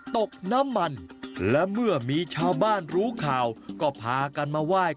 ตกน้ำมันและเมื่อมีชาวบ้านรู้ข่าวก็พากันมาไหว้